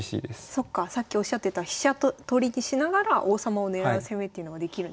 そっかさっきおっしゃってた飛車取りにしながら王様を狙う攻めっていうのができるんですね。